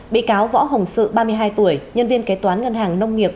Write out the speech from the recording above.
bị cáo võ hồng sự ba mươi hai tuổi nhân viên kế toán ngân hàng nông nghiệp